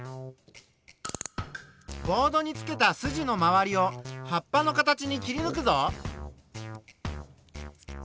ボードにつけたすじのまわりを葉っぱの形に切りぬくぞ。